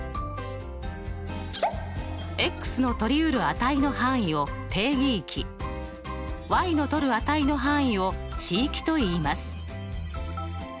のとりうる値の範囲を定義域のとる値の範囲を値域といいます。